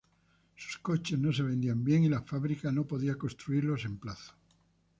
Sus coches no se vendían bien, y la fábrica no podía construirlos en plazo.